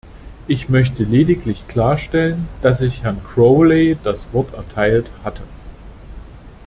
Ich möchte lediglich klarstellen, dass ich Herrn Crowley das Wort erteilt hatte.